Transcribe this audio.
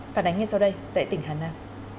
phản ánh ngay sau đây tại tỉnh hà nam